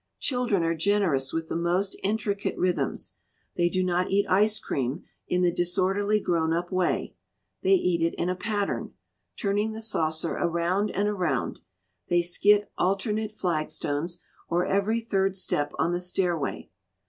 Children are gen erous with the most intricate rhythms; they do not eat ice cream in the disorderly grown up way; they eat it in a pattern, turning the saucer around and around; they skit alternate flagstones or every third step on the stairway.